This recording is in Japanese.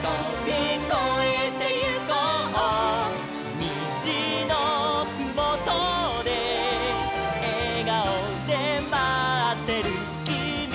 「にじのふもとでえがおでまってるきみがいる」